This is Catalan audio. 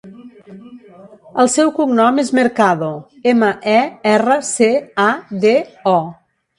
El seu cognom és Mercado: ema, e, erra, ce, a, de, o.